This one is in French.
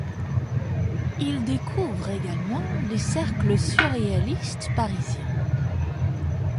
Il découvre également les cercles surréalistes parisiens.